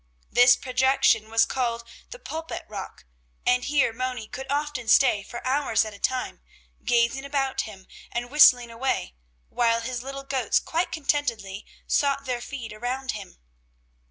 This projection was called the Pulpit rock, and here Moni could often stay for hours at a time, gazing about him and whistling away, while his little goats quite contentedly sought their feed around him.